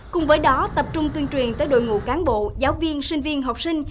cùng với đó tập trung tuyên truyền tới đội ngũ cán bộ giáo viên sinh viên học sinh